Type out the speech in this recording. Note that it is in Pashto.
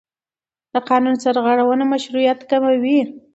د قانون سرغړونه مشروعیت کموي